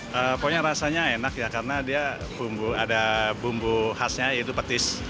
pokoknya rasanya enak ya karena dia ada bumbu khasnya yaitu petis